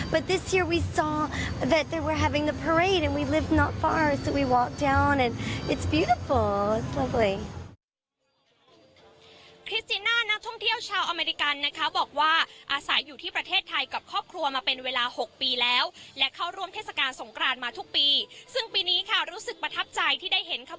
เพราะว่าเราจะมีความสมบูรณ์และเราไม่ได้อยู่ที่ไหน